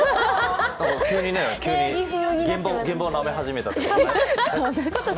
急に現場をなめ始めたと。